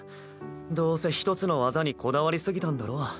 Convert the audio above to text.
どうせ一つの技にこだわり過ぎたんだろ。